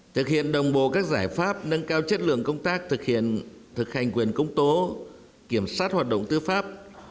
thực hiện đồng bộ các giải pháp nâng cao chất lượng công tác thực hiện thực hành quyền công tố kiểm soát hoạt động tư pháp